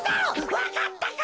わかったか！